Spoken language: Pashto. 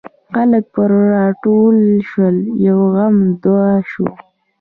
خلک پر راټول شول یو غم دوه شو.